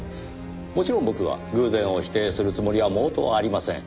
もちろん僕は偶然を否定するつもりは毛頭ありません。